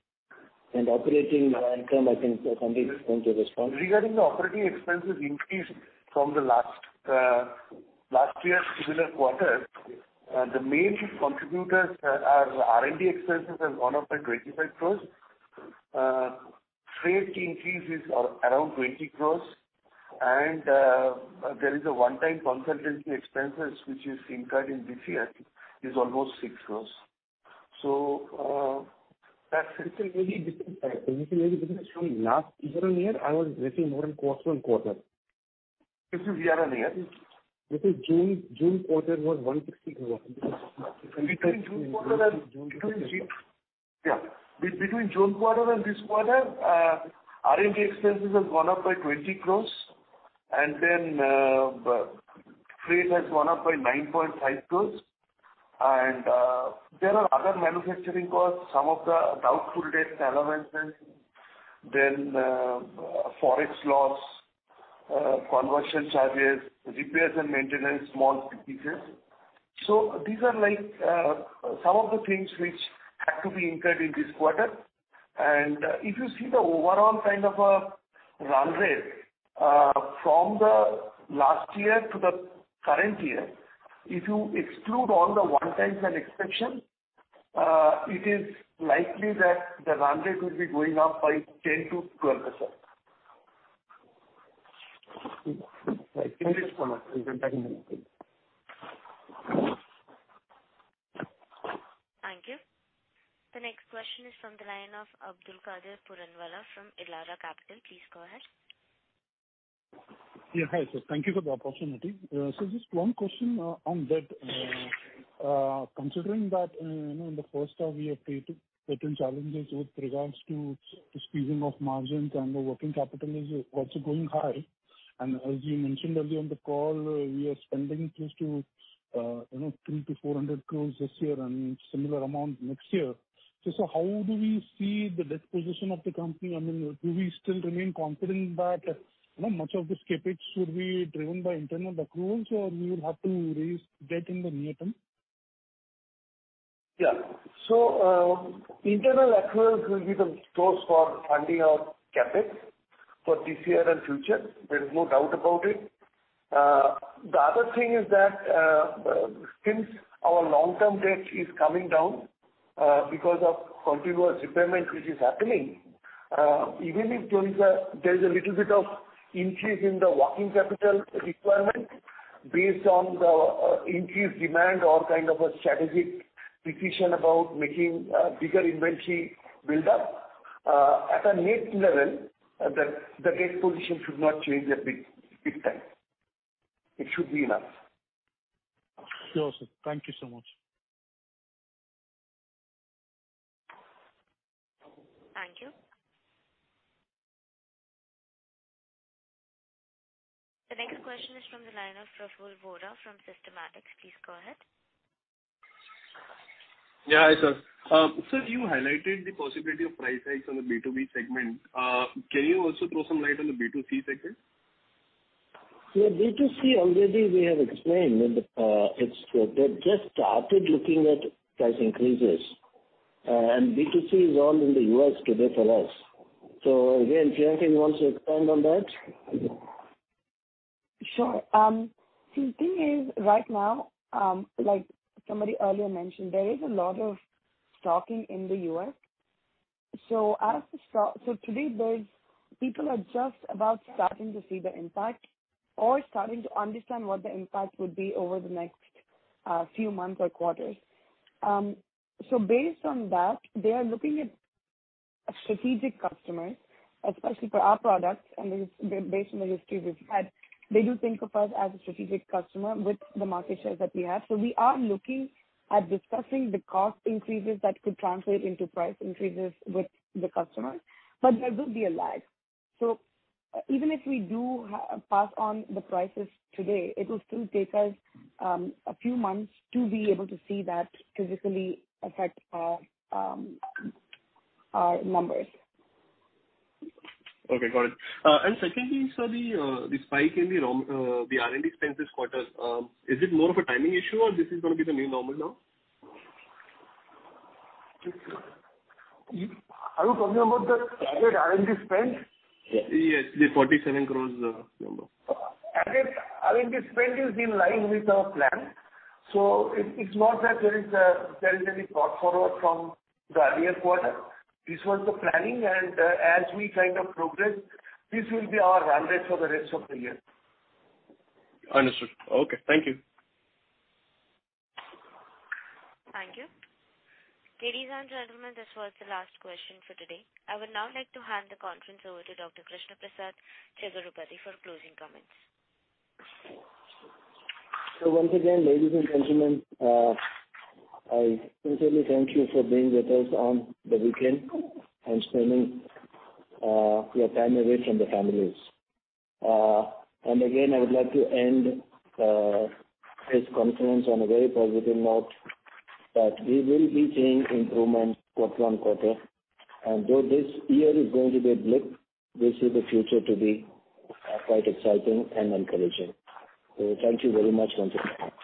Operating income, I think Sandip wants to respond. Regarding the operating expenses increase from the last year similar quarter, the main contributors are R&D expenses has gone up by 20 crore. Freight increase is around 20 crore. There is a one-time consultancy expenses which is incurred in this year is almost 6 crore. So- That difference is maybe between last year-over-year or is little more than quarter-over-quarter? This is year-over-year. This is June quarter was INR 160 crore. Between June quarter and- Between June. ...Yeah. Between June quarter and this quarter, R&D expenses have gone up by 20 crore and then freight has gone up by 9.5 crore. There are other manufacturing costs, some of the doubtful debt settlements, then, Forex loss, conversion charges, repairs and maintenance, small increases. These are like, some of the things which had to be incurred in this quarter. If you see the overall kind of a run rate, from the last year to the current year, if you exclude all the one times and exceptions, it is likely that the run rate will be going up by 10%-12%. Right. Anirudh, follow up. You can take another. Thank you. The next question is from the line of Abdulkader Puranwala from Elara Capital. Please go ahead. Yeah. Hi, sir. Thank you for the opportunity. Just one question on that. Considering that you know in the first half we have faced certain challenges with regards to squeezing of margins and the working capital is also going high. As you mentioned earlier in the call, we are spending close to, you know, 200 crore-400 crore this year and similar amount next year. How do we see the debt position of the company? I mean, do we still remain confident that, you know, much of this CapEx should be driven by internal accruals, or we will have to raise debt in the near term? Internal accruals will be the source for funding our CapEx for this year and future. There is no doubt about it. The other thing is that, since our long-term debt is coming down, because of continuous repayment which is happening, even if there is a little bit of increase in the working capital requirement based on the increased demand or kind of a strategic decision about making bigger inventory build up, at a net level, the debt position should not change that big time. It should be enough. Sure, sir. Thank you so much. Thank you. The next question is from the line of Praful Bohra from Systematix. Please go ahead. Yeah, hi, sir. Sir, you highlighted the possibility of price hikes on the B2B segment. Can you also throw some light on the B2C segment? Yeah. B2C already we have explained that they've just started looking at price increases. B2C is all in the U.S. today for us. Again, Priyanka, you want to expand on that? Sure. The thing is right now, like somebody earlier mentioned, there is a lot of stocking in the U.S. Today, there are people who are just about starting to see the impact or starting to understand what the impact would be over the next few months or quarters. Based on that, they are looking at strategic customers, especially for our products. This is based on the history we've had. They do think of us as a strategic customer with the market share that we have. We are looking at discussing the cost increases that could translate into price increases with the customers but there will be a lag. Even if we do pass on the prices today, it will still take us a few months to be able to see that actually affect our numbers. Okay, got it. Secondly, sir, the spike in the R&D spend this quarter is it more of a timing issue or this is gonna be the new normal now? Are you talking about the target R&D spend? Yes. The INR 47 crore number. Again, R&D spend is in line with our plan, so it's not that there is any brought forward from the earlier quarter. This was the planning and, as we kind of progress, this will be our run rate for the rest of the year. Understood. Okay. Thank you. Thank you. Ladies and gentlemen, this was the last question for today. I would now like to hand the conference over to Dr. Krishna Prasad Chigurupati for closing comments. Once again, ladies and gentlemen, I sincerely thank you for being with us on the weekend and spending your time away from the families. Again, I would like to end this conference on a very positive note that we will be seeing improvements quarter-on-quarter. Though this year is going to be a blip, we see the future to be quite exciting and encouraging. Thank you very much once again. Thank you.